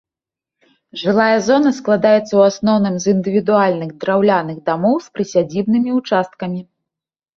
Жылая зона складаецца ў асноўным з індывідуальных драўляных дамоў з прысядзібнымі ўчасткамі.